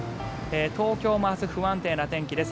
東京も明日不安定な天気です。